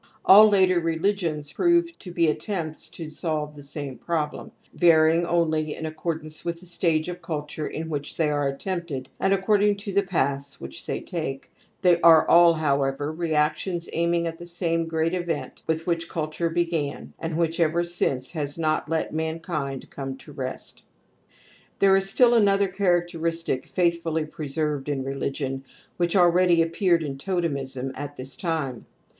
All later religions prove to be attempts tp solve the same problem, varying only in a ccordance with the stage of culture in which they are attempted and according to" the paths"^hi^ they take ; they are all, however,"reailti^iS. aiming at the same great event with w hich INFANTILE RECURRENCE OF TOTEMISM 241 cu ltiire T)eyan and whid h_eveT since has not let ifiaBKind eomfe t6 i%st. ■'^^ ^mtm'mn»^)t^m Theiu is sLill auullief characteristic faithfully preserved in religion which already appeared in totemism at this time.